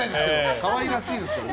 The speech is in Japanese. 可愛らしいですけどね。